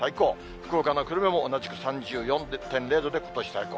福岡の久留米も同じく３４．０度で、ことし最高。